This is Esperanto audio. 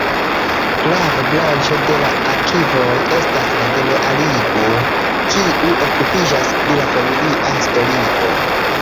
Grava branĉo de la arkivoj estas la genealogio, kiu okupiĝas pri la familia historio.